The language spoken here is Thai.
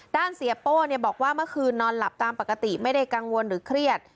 เสียโป้บอกว่าเมื่อคืนนอนหลับตามปกติไม่ได้กังวลหรือเครียด